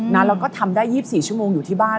แล้วก็ทำได้๒๔ชั่วโมงอยู่ที่บ้าน